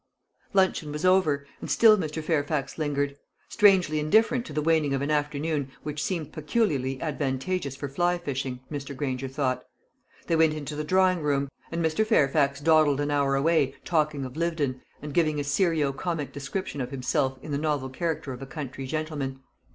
Luncheon was over, and still Mr. Fairfax lingered strangely indifferent to the waning of an afternoon which seemed peculiarly advantageous for fly fishing, Mr. Granger thought. They went into the drawing room, and Mr. Fairfax dawdled an hour away talking of Lyvedon, and giving a serio comic description of himself in the novel character of a country gentleman.